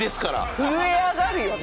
震え上がるよね。